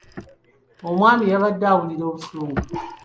Omwami yabadde awulira obusungu.